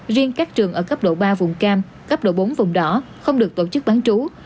riêng các trường ở cấp độ ba vùng cam cấp độ bốn vùng đỏ không được tổ chức bán trú